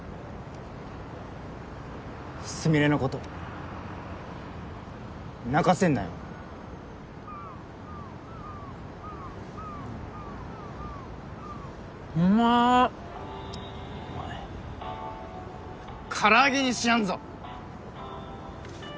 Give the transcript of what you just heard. スミレのこと泣かせんなようまお前唐揚げにしてやんぞ！